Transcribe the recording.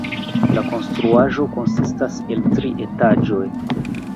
La konstruaĵo konsistas el tri etaĝoj.